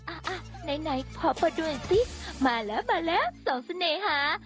อะอะไหนพอป่ะดูหน่อยสิมาแล้วมาแล้วสองเสน่หา